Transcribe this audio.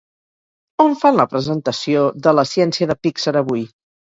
On fan la presentació de "La ciència de Pixar" avui?